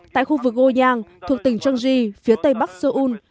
tại khu vực goyang thuộc tỉnh trương di phía tây bắc seoul